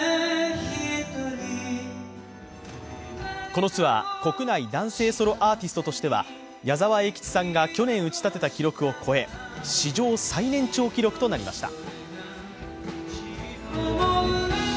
このツアー、国内男性ソロアーティストとしては矢沢永吉さんが去年打ち立てた記録を超え、史上最年長記録となりました。